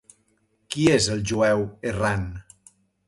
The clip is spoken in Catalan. Qui és el jueu errant?